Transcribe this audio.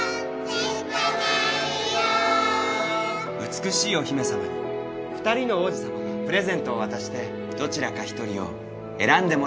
「美しいお姫さまに２人の王子さまがプレゼントを渡してどちらか一人を選んでもらうことにしました」